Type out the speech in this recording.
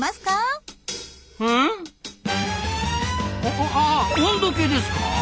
ああ温度計ですか？